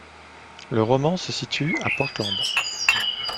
Le roman se situe à Portland.